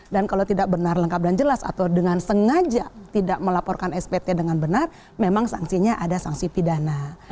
dan kalau tidak benar lengkap dan jelas atau dengan sengaja tidak melaporkan spt dengan benar memang sanksinya ada sanksi pidana